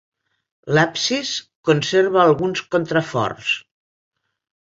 L'absis conserva alguns contraforts.